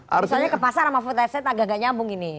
misalnya ke pasar sama food estate agak agak nyambung ini